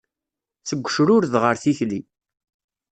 Seg ucrured ɣer tikli.